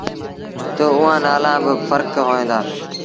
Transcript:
تا اُئآݩ نآلآ با ڦرڪ هوئين دآ۔